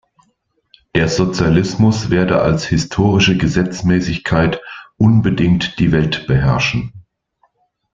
Der Sozialismus werde als historische Gesetzmäßigkeit unbedingt die Welt beherrschen.